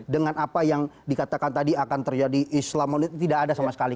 dengan apa yang dikatakan tadi akan terjadi islam tidak ada sama sekali